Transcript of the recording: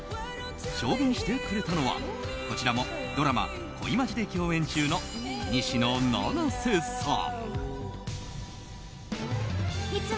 証言してくれたのはこちらもドラマ「恋マジ」で共演中の西野七瀬さん。